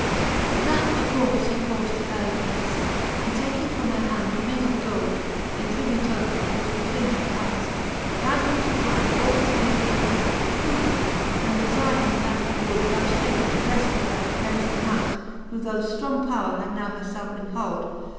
XXIX. 'With that a Dwarfe Ihe cald to herin haTl, And taking from her hand a ring of gould, A privy token, which betvveene them pad. Bad him to flie, with all the fpeed he coul4, * To Crtidor, and defire him, that he would 'Vouchfafe to relkue her againft a Knight, Who through ftrong powre had now herfelfe in hoiild.